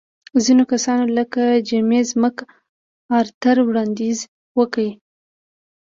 ځینو کسانو لکه جېمز مک ارتر وړاندیز وکړ.